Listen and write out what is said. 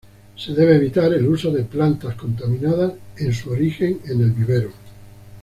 Se debe evitar el uso de plantas contaminadas en su origen en el vivero.